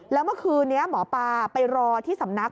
แล้วเมื่อคืนนี้หมอปลาไปรอที่สำนัก